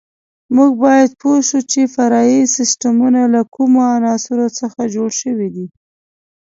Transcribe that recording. موږ باید پوه شو چې فرعي سیسټمونه له کومو عناصرو څخه جوړ شوي دي.